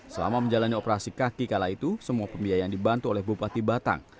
selama menjalani operasi kaki kala itu semua pembiayaan dibantu oleh bupati batang